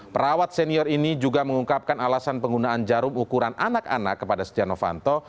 perawat senior ini juga mengungkapkan alasan penggunaan jarum ukuran anak anak kepada setia novanto